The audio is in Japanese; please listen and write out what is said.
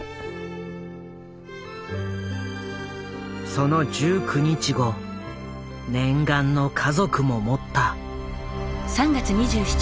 その１９日後念願の家族も持った。